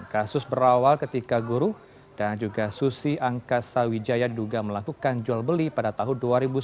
kasus berawal ketika guru dan juga susi angkasawijaya duga melakukan jual beli pada tahun dua ribu sepuluh